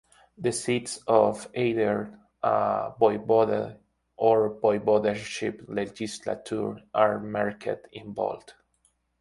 The seats of either a voivode, or a voivodeship legislature, are marked in bold.